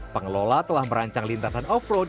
pengelola telah merancang lintasan off road